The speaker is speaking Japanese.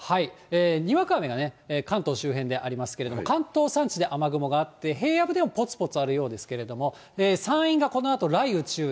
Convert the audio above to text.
にわか雨が関東周辺でありますけれども、関東山地で雨雲があって、平野部でもぽつぽつあるようですけれども、山陰がこのあと雷雨注意。